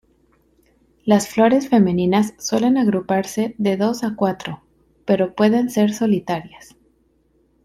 Las flores femeninas suelen agruparse de dos a cuatro, pero pueden ser solitarias.